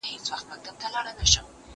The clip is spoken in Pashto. زه به سبا د درسونو يادونه وکړم!